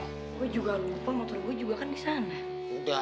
gue juga lupa motor gue juga kan disana